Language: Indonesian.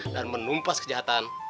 dan menumpas kejahatan